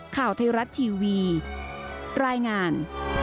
ข่าวไทยรัฐทีวีรายงาน